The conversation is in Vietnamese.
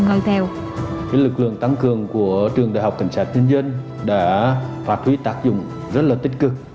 cái lực lượng tăng cường của trường đhcn đã phát huy tác dụng rất là tích cực